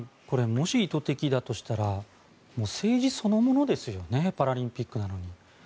これ、もし意図的だとしたら政治そのものですよねパラリンピックなのに。